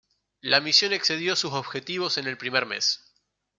La misión excedió sus objetivos en el primer mes.